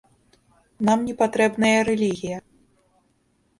Нам не патрэбная рэлігія.